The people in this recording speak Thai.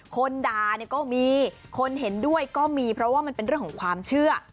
คนด่าเนี่ยก็มีคนเห็นด้วยก็มีเพราะว่ามันเป็นเรื่องของความเชื่อ